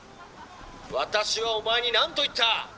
「私はお前に何と言った！？